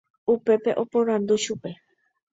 Upépe aporandu chupe.